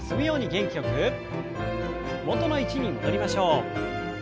元の位置に戻りましょう。